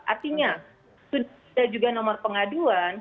artinya sudah ada juga nomor pengaduan